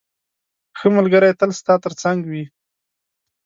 ښه ملګری تل ستا تر څنګ وي.